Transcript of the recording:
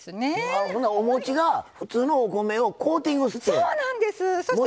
ほんなら、おもちが普通のお米をコーティングして。